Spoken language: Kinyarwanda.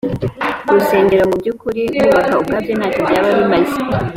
ku rusengero Mu by ukuri kubaka ubwabyo nta cyo byaba bimaze